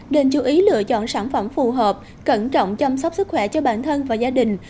nên chú ý lựa chọn sản phẩm phù hợp cẩn trọng chăm sóc sức khỏe cho bản thân và gia đình